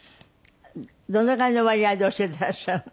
どのぐらいの割合で教えてらっしゃるの？